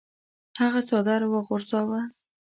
هغه څادر وغورځاوه.